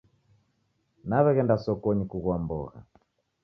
Naw'eghenda sokonyi kughua mbogha